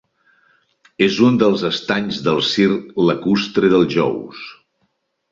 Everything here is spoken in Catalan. És un dels estanys del circ lacustre dels Jous.